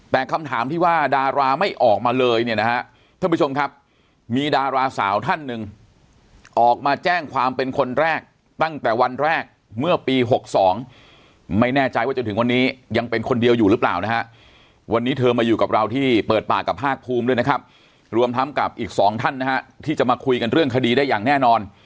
แต่คำถามที่ว่าดาราไม่ออกมาเลยเนี่ยนะฮะท่านผู้ชมครับมีดาราสาวท่านหนึ่งออกมาแจ้งความเป็นคนแรกตั้งแต่วันแรกเมื่อปี๖๒ไม่แน่ใจว่าจนถึงวันนี้ยังเป็นคนเดียวอยู่หรือเปล่านะฮะวันนี้เธอมาอยู่กับเราที่เปิดปากกับภาคภูมิด้วยนะครับรวมทั้งกับอีกสองท่านนะฮะที่จะมาคุยกันเรื่องคดีได้อย่างแน่นอน